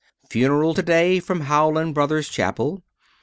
Funeral to day from Howland Brothers' chapel.